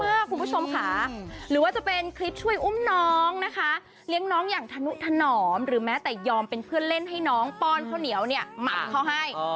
คุณผู้ชมค่ะหรือว่าจะเป็นคลิปช่วยอุ้มน้องนะคะเลี้ยงน้องอย่างธนุถนอมหรือแม้แต่ยอมเป็นเพื่อนเล่นให้น้องป้อนข้าวเหนียวเนี่ยหม่ำเขาให้